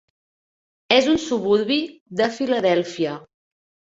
És un suburbi de Filadèlfia.